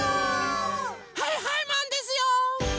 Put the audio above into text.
はいはいマンですよ！